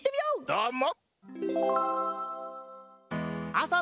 どーも！